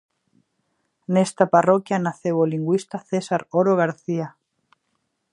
Nesta parroquia naceu o lingüista César Oro García.